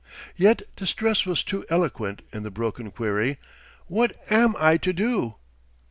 Yet distress was too eloquent in the broken query: "What am I to do?"